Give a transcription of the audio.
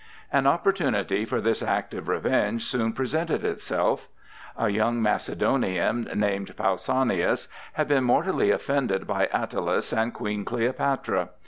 An opportunity for this act of revenge soon presented itself. A young Macedonian, named Pausanias, had been mortally offended by Attalus and Queen Cleopatra.